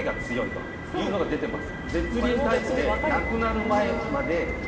というのが出てます。